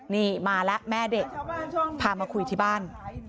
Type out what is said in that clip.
นี่มาแล้วแม่เด็กพามาคุยที่บ้าน